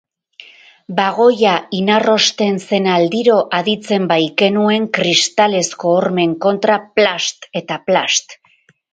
Bagoia inarrosten zen aldiro aditzen baikenuen, kristalezko hormen kontra plast eta plast.